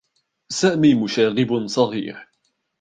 سامي مشاغب صغير.